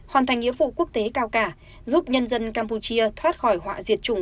hoàn thành nghĩa vụ quốc tế cao cả giúp nhân dân campuchia thoát khỏi họa diệt chủng